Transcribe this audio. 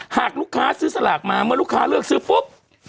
หากลูกค้าซื้อสลากมาเมื่อลูกค้าเลือกซื้อปุ๊บ